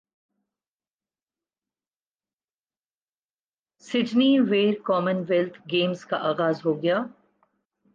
Sydney ویں Commonwealth Games کا اغاز ہو گیا